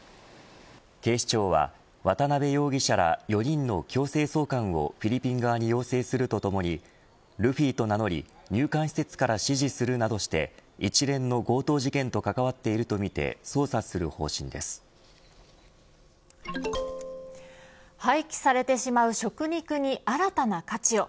警視庁は渡辺容疑者ら４人の強制送還をフィリピン側に要請するとともにルフィと名乗り入管施設から指示するなどとして一連の強盗事件と関わっているみて廃棄されてしまう食肉に新たな価値を。